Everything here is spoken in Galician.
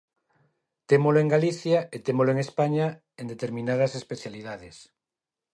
Témolo en Galicia e témolo en España en determinadas especialidades.